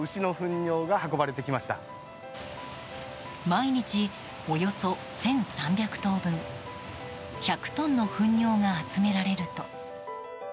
毎日およそ１３００頭分１００トンの糞尿が集められると。